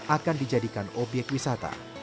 akan dijadikan obyek wisata